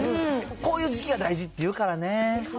こういう時期が大事っていうからね。